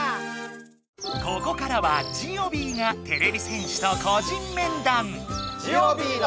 ここからはジオビーがてれび戦士と個人面談。